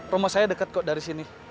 rumah saya dekat kok dari sini